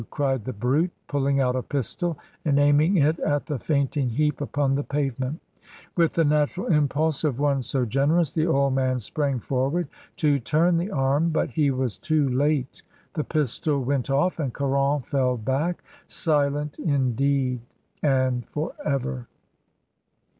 cried the brute, pulling out a pistol, and aiming it at the fainting heap upon the pavement With the natural impulse of one so generous, the old man sprang forward to turn the arm, but he was too late. The pistol went off, and Caron fell back, silent indeed, and for ever.